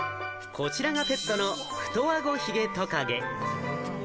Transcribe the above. こちらがペットのフトアゴヒゲトカゲ。